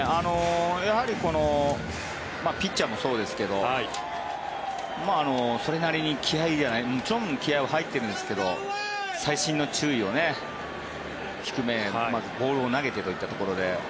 やはりこのピッチャーもそうですけどもちろん気合は入ってるんですけど細心の注意を低めにボールを投げてといったところで。